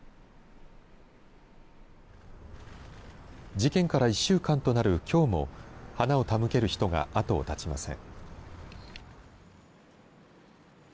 事件から１週間となるきょうも花を手向ける人が後を絶ちません。